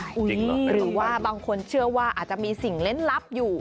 หรือว่าบางคนเชื่อว่าอาจจะมีสิ่งเล่นลับอยู่